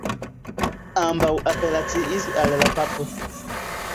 Ambaŭ apelaciis al la papo.